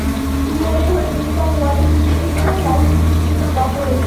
ইংল্যান্ডের হয়ে দ্রুততম ওয়ানডে সেঞ্চুরির রেকর্ডটি আগে থেকেই ছিল তাঁর দখলে।